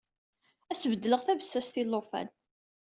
Ad as-beddleɣ tabessast i ulufan.